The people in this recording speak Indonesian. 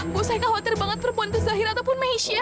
bu saya khawatir banget perempuan itu zahir ataupun mehisia